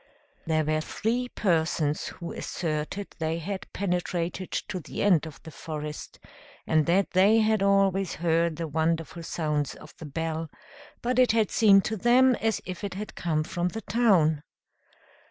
There were three persons who asserted they had penetrated to the end of the forest, and that they had always heard the wonderful sounds of the bell, but it had seemed to them as if it had come from the town.